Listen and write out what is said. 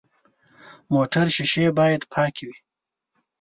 موټر شیشې باید پاکې وي.